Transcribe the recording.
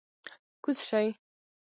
کوز شئ!